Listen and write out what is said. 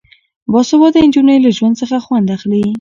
باسواده نجونې له ژوند څخه خوند اخلي.